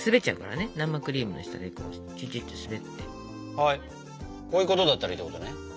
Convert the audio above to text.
はいこういうことだったらいいってことね。